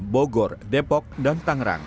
bogor depok dan tangerang